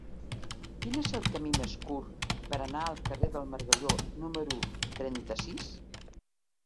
Quin és el camí més curt per anar al carrer del Margalló número trenta-sis?